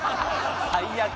最悪。